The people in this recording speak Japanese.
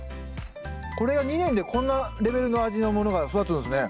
これが２年でこんなレベルの味のものが育つんですね。